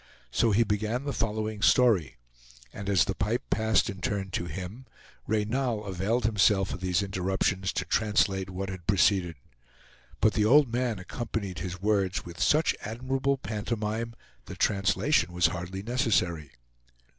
So he began the following story, and as the pipe passed in turn to him, Reynal availed himself of these interruptions to translate what had preceded. But the old man accompanied his words with such admirable pantomime that translation was hardly necessary.